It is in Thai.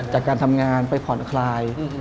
จากการทำงานไปผ่อนคลาย